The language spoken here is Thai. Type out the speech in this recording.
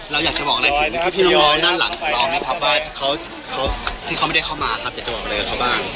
เราอยากจะบอกอะไรถึงพี่น้องด้านหลังของเราไหมครับว่าที่เขาไม่ได้เข้ามาครับอยากจะบอกอะไรกับเขาบ้าง